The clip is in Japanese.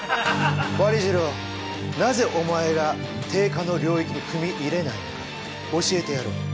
なぜお前が定価の領域に踏み入れないのか教えてやろう。